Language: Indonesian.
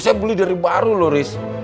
saya beli dari baru luis